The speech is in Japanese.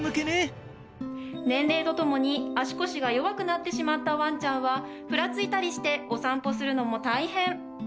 年齢とともに足腰が弱くなってしまったワンちゃんはふらついたりしてお散歩するのも大変。